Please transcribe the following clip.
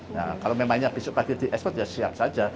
nah kalau memangnya besok pagi diekspor ya siap saja